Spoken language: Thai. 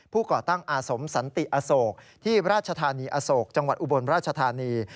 ก่อตั้งอาสมสันติอโศกที่ราชธานีอโศกจังหวัดอุบลราชธานี